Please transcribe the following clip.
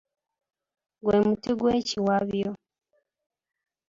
Gwe muti gwekiwabyo.